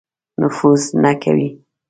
نفوذ نه کوي.